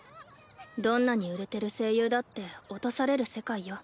どんなに売れてる声優だって落とされる世界よ。